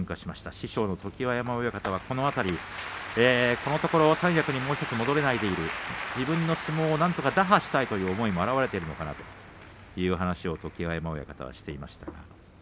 師匠の常盤山親方はこのところ三役に戻れないでいる自分の相撲をなんとか打破したいという思いが表れているのかなという話をしていました。